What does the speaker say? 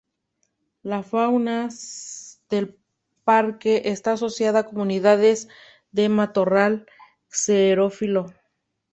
La fauna del parque está asociada a comunidades de matorral xerófilo.